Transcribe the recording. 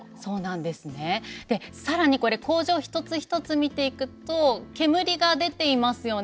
さらにこれ工場一つ一つ見ていくと煙が出ていますよね。